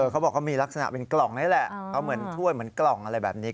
เขาบอกเขามีลักษณะเป็นกล่องนี่แหละเขาเหมือนถ้วยเหมือนกล่องอะไรแบบนี้